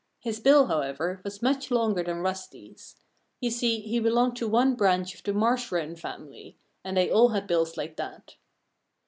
His bill, however, was much longer than Rusty's. You see, he belonged to one branch of the Marsh Wren family; and they all had bills like that.